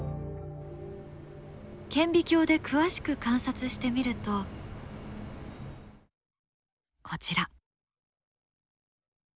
顕微鏡で詳しく観察してみるとこちら。